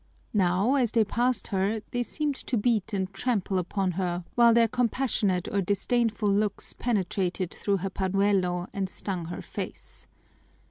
Now as they passed her they seemed to beat and trample upon her while their compassionate or disdainful looks penetrated through her pañuelo and stung her face.